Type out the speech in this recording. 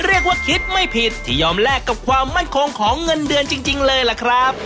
เรียกว่าคิดไม่ผิดที่ยอมแลกกับความมั่นคงของเงินเดือนจริงเลยล่ะครับ